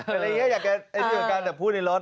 เป็นอะไรอย่างเงี้ยอยากการแต่พูดในรถ